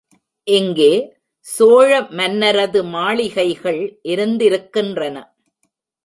இங்கே சோழ மன்னரது மாளிகைகள் இருந்திருக்கின்றன.